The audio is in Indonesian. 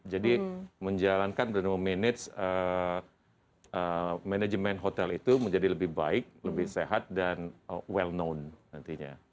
jadi menjalankan dan manage manajemen hotel itu menjadi lebih baik lebih sehat dan well known nantinya